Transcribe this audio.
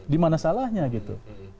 di mana salahnya gitu